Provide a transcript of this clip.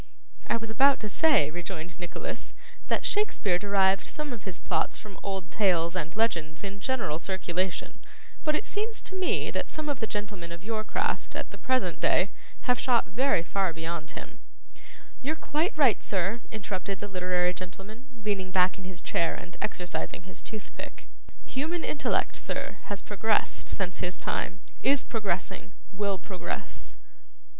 'I was about to say,' rejoined Nicholas, 'that Shakespeare derived some of his plots from old tales and legends in general circulation; but it seems to me, that some of the gentlemen of your craft, at the present day, have shot very far beyond him ' 'You're quite right, sir,' interrupted the literary gentleman, leaning back in his chair and exercising his toothpick. 'Human intellect, sir, has progressed since his time, is progressing, will progress.